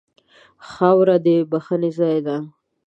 خاوره د بښنې ځای ده.